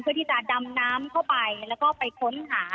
เพื่อที่จะดำน้ำเข้าไปแล้วก็ไปค้นหา